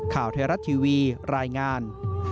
ข่าวไทยรัฐทีวีรายงาน